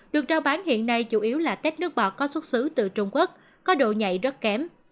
được trao bán hiện nay chủ yếu là tết nước bọt có xuất xứ từ trung quốc có độ nhạy rất kém